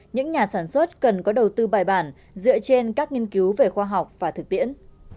những nhà sản xuất cần có đầu tư bài bản dựa trên các nghiên cứu về khoa học và thực tiễn